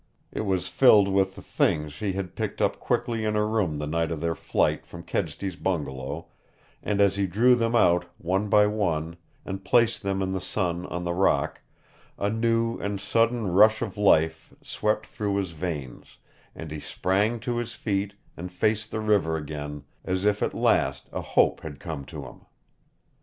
It was filled with the things she had picked up quickly in her room the night of their flight from Kedsty's bungalow, and as he drew them out one by one and placed them in the sun on the rock, a new and sudden rush of life swept through his veins, and he sprang to his feet and faced the river again, as if at last a hope had come to him.